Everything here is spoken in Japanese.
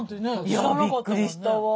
いやびっくりしたわ。